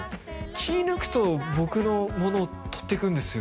気い抜くと僕のものとってくんですよ